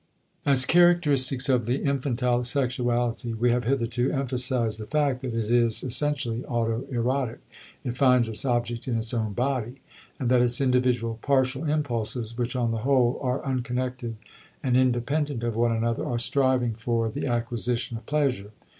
* As characteristics of the infantile sexuality we have hitherto emphasized the fact that it is essentially autoerotic (it finds its object in its own body), and that its individual partial impulses, which on the whole are unconnected and independent of one another, are striving for the acquisition of pleasure.